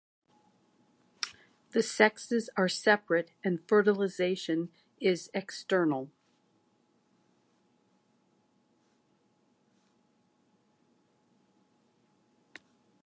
The sexes are separate and fertilisation is external.